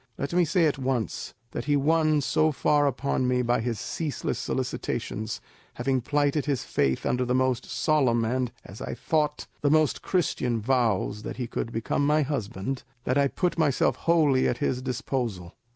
Let me say at once that he won so far upon me by his ceaseless solicitations, having plighted his faith under the most solemn and, as I thought, the most Christian vows that he would become my husband, that I put myself wholly at his disposal.